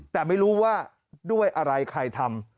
แต่ไม่รู้ว่าด้วยอะไรใครทำ